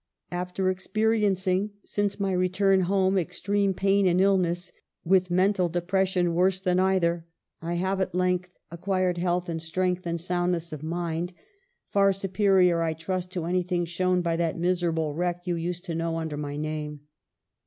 "After experiencing, since my return home, extreme pain and illness, with mental depres sion worse than either, I have at length ac 1 32 EMIL Y BRONTE. quired health and strength and soundness of mind, far superior, I trust, to anything shown by that miserable wreck you used to know under my name.